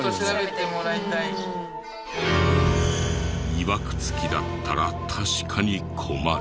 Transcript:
いわくつきだったら確かに困る。